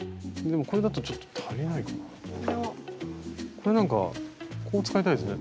これなんかこう使いたいですね。